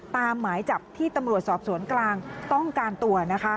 หมายจับที่ตำรวจสอบสวนกลางต้องการตัวนะคะ